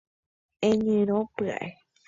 Eñyrõ pya'e